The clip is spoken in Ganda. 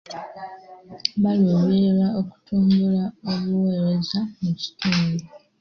Baaluubirira okutumbula obuweereza mu kitundu.